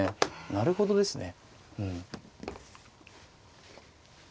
なるほどですね。